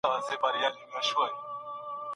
يو نغمه ګره نقاشي کومه ښه کوومه